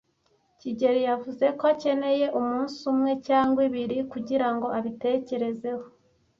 kigeli yavuze ko akeneye umunsi umwe cyangwa ibiri kugirango abitekerezeho.